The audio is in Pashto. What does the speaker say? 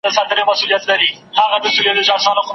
د اکټوبر پر اوومه نېټه